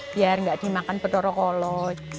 biar nggak dimakan pedoro kolo